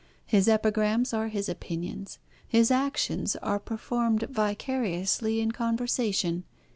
"His epigrams are his opinions. His actions are performed vicariously in conversation.